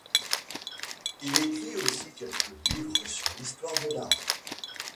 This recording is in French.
Il écrit aussi quelques livres sur l'histoire de l'art.